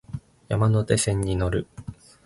山手線に乗る